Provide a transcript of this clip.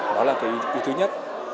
đó là cái thứ nhất